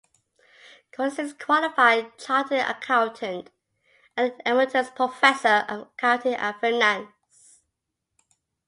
Gourley is a qualified Chartered Accountant and an emeritus professor of Accounting and Finance.